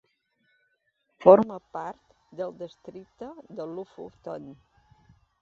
Forma part del districte de Lofoten.